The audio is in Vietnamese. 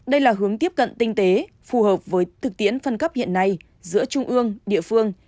đây là hướng tiếp cận tinh tế phù hợp với thực tiễn phân cấp hiện nay giữa trung ương địa phương